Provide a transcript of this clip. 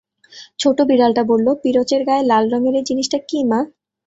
ছোটো বিড়ালটা বলল, পিরচের গায়ে লাল রঙের এই জিনিসটা কী মা?